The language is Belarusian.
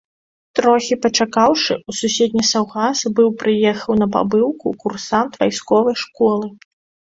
Трохі пачакаўшы, у суседні саўгас быў прыехаў на пабыўку курсант вайсковай школы.